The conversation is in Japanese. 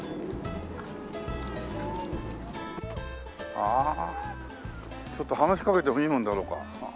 ああちょっと話しかけてもいいもんだろうか。